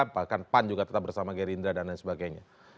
bahkan pan juga tetap bersama gerindra dan lain sebagainya